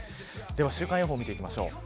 週間予報を見ていきます。